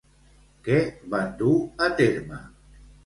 Què van dur a terme?